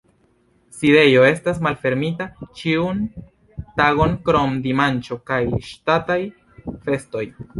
Sidejo estas malfermita ĉiun tagon krom dimanĉo kaj ŝtataj festoj.